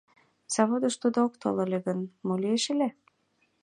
Заводыш тудо ок тол ыле гын, мо лиеш ыле?